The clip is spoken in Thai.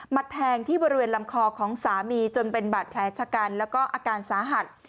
แทงที่บริเวณลำคอของสามีจนเป็นบาดแผลชะกันแล้วก็อาการสาหัส